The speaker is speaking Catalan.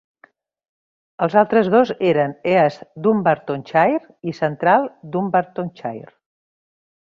Els altres dos eren East Dunbartonshire i Central Dunbartonshire.